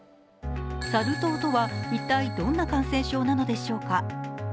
サル痘とは一体、どんな感染症なのでしょうか。